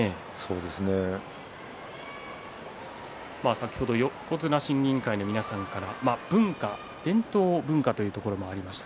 先ほど横綱審議委員会の皆さんから伝統文化という話もありました。